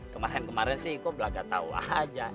kemarin kemarin sih gue belaka tau aja